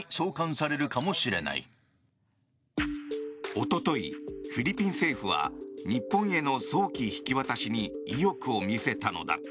おととい、フィリピン政府は日本への早期引き渡しに意欲を見せたのだ。